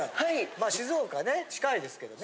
まあ静岡ね近いですけどね。